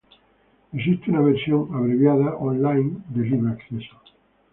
Existe una versión, abreviada, online de libre acceso.